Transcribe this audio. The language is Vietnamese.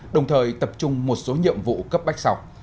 đồng thời tập trung một số nhiệm vụ cấp bách sau